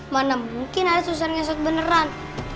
mana mungkin ada susu susu yang sesuai beneran